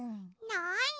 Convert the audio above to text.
なに？